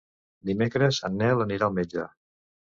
Dimecres en Nel anirà al metge.